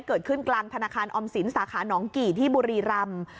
เกิดขึ้นกลางธนาคารออมสินสาขาน้องกี่ที่บุรีรำ